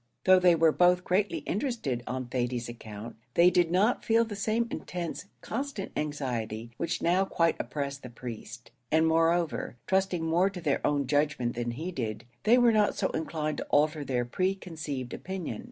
Though they were both greatly interested on Thady's account, they did not feel the same intense, constant anxiety, which now quite oppressed the priest; and, moreover, trusting more to their own judgment than he did, they were not so inclined to alter their pre conceived opinion.